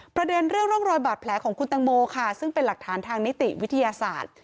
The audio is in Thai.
เรื่องร่องรอยบาดแผลของคุณตังโมค่ะซึ่งเป็นหลักฐานทางนิติวิทยาศาสตร์